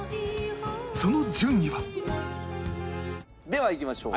その順位はではいきましょう。